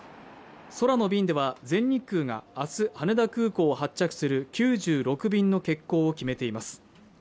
空の便では全日空があす羽田空港を発着する９６便の欠航を決めています